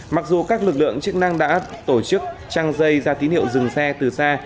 mặc dù các lực lượng chức năng đã tổ chức trăng dây ra tín hiệu dừng xe từ xa